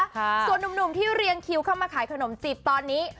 ส่วนนุ่มหนุ่มที่เรียงคิวเข้ามาขายขนมจีบตอนนี้